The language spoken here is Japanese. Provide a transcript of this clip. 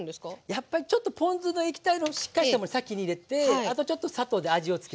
やっぱりちょっとポン酢の液体のしっかりしたもの先に入れてあとちょっと砂糖で味をつける。